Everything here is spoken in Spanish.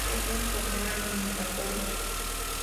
Es un torneo eliminatorio.